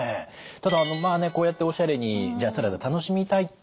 ただこうやっておしゃれにジャーサラダ楽しみたい。